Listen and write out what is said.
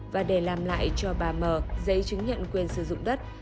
và để làm lại cho bà mờ giấy chứng nhận quyền sử dụng đất